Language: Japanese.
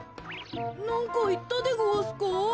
なんかいったでごわすか？